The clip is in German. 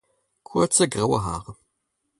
Kurze graue Haare.